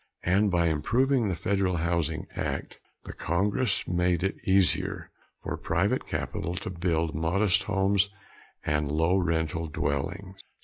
And by improving the Federal Housing Act, the Congress made it easier for private capital to build modest homes and low rental dwellings.